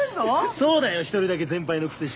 そうだよ一人だけ全敗のくせして。